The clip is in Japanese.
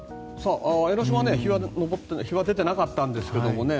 江の島は日は出てなかったんですけどもね